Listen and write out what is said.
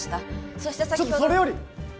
そして先ほどちょっとそれより！